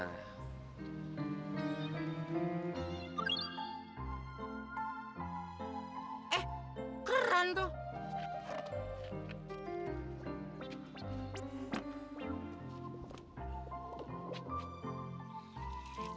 eh keren tuh